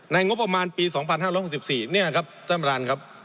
ในงบประมาณปี๒๕๖๔นี่ครับสมรรณครับ